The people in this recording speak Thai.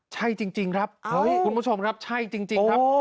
ใช่จริงครับคุณผู้ชมครับใช่จริงครับ